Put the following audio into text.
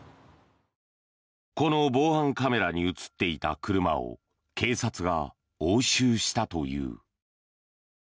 この防犯カメラに映っていた車を警察が押収したという。